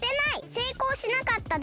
せいこうしなかっただけ！